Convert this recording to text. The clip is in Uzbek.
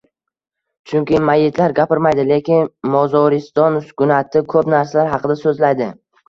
Chunki mayyitlar gapirmaydi, lekin mozoriston sukunati ko‘p narsalar haqida so‘zlaydi.